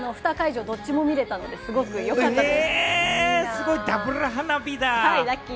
２会場どっちも見れたので、よかったです。